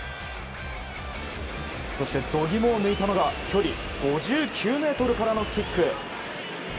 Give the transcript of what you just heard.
そして度肝を抜いたのが距離５９ｍからのキック。